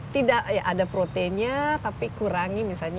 tidak ada proteinnya tapi kurangi misalnya